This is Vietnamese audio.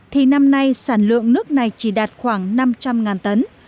thì năm nay sản lượng nước này chỉ đạt khoảng năm trăm linh tấn